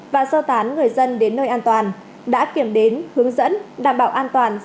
và sơ tán người dân đến nơi an toàn đã kiểm đếm hướng dẫn đảm bảo an toàn